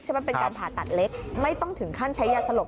มันเป็นการผ่าตัดเล็กไม่ต้องถึงขั้นใช้ยาสลบ